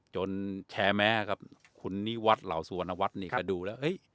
จนแฉแม้อ่ะครับคุณนิวัตต์เหล่าสุวรรณวัตต์ก็ดูแล้ว